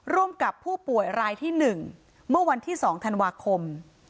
ร่วมกับผู้ป่วยรายที่๑เมื่อวันที่๒ธันวาคม